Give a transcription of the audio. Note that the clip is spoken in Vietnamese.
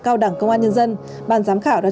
cao đẳng công an nhân dân ban giám khảo đã